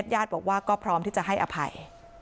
ญาติบอกว่าก็พร้อมที่จะให้อภัย